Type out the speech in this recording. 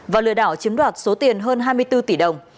và lừa đảo chiếm đoạt số tiền hơn hai mươi bốn tỷ đồng